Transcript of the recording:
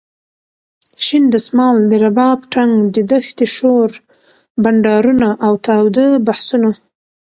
شین دسمال ،د رباب ټنګ د دښتې شور ،بنډارونه اوتاوده بحثونه.